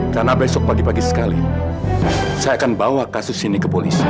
karena besok pagi pagi sekali saya akan bawa kasus ini ke polisi